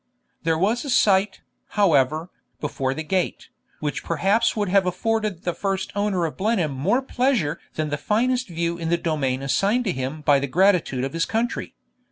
There was a sight, however, before the gate, which perhaps would have afforded the first owner of Blenheim more pleasure than the finest view in the domain assigned to him by the gratitude of his country.